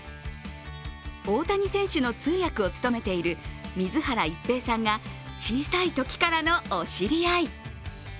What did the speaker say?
大谷選手の通訳を務めている水原一平さんが小さいときからのお知り合い。